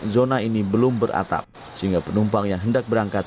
zona ini belum beratap sehingga penumpang yang hendak berangkat